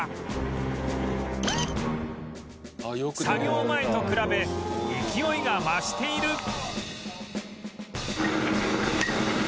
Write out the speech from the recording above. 作業前と比べ勢いが増している